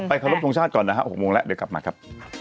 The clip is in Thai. ขอรบทรงชาติก่อนนะฮะ๖โมงแล้วเดี๋ยวกลับมาครับ